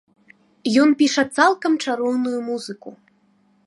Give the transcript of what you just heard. Ён піша цалкам чароўную музыку.